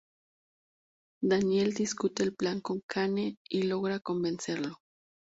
Daniel discute el plan con Kane, y logra convencerlo.